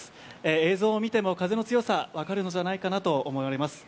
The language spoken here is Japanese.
映像を見ても風の強さ分かるのじゃないかなと思われます。